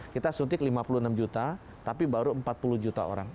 kita suntik lima puluh enam juta tapi baru empat puluh juta orang